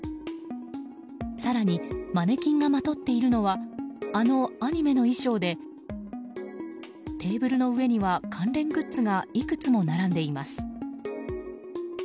更に、マネキンがまとっているのはあのアニメの衣装でテーブルの上には関連グッズがいくつも並んでいます。